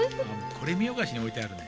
これみよがしにおいてあるね。